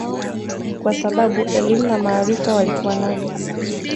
Kwa sababu elimu na maarifa walikuwa navyo